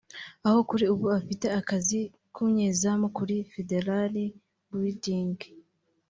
aho kuri ubu afite akazi k’ubunyezamu kuri Federal Building